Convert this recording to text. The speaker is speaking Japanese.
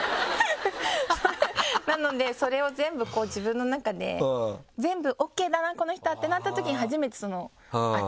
なのでそれを全部こう自分の中で全部ＯＫだなこの人はってなったときに。